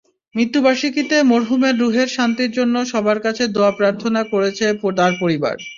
মৃত্যুবার্ষিকীতে মরহুমের রুহের শান্তির জন্য সবার কাছে দোয়া প্রার্থনা করেছে তাঁর পরিবার।